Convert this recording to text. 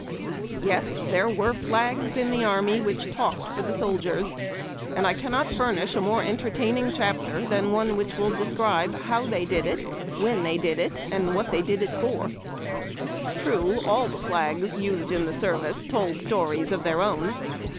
ES, there were Hags in the army which talked for the soldiers, and I cannot furnish a more entertaining chapter than one which will describe how they did it, when they did it, and what they did it for. True, all of the flags used in tlie service told stories of their own.